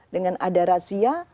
dengan ada razia